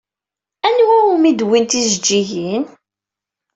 Anwa umi d-wwin tijeǧǧigin?